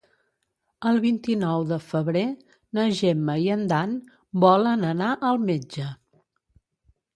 El vint-i-nou de febrer na Gemma i en Dan volen anar al metge.